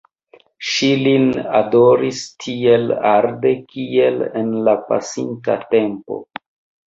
Ŝi lin adoris tiel arde kiel en la pasinta tempo.